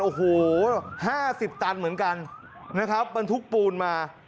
โอ้โห๕๐ตันเหมือนกันนะครับบรรทุกปูนมา